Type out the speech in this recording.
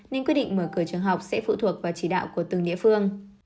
nên quyết định mở cửa trường học sẽ phụ thuộc vào chỉ đạo của từng địa phương